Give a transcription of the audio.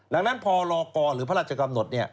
ดังนั้นพรกรหรือพระราชกำหนด